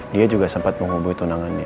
dia juga sempat menghubungi tunangannya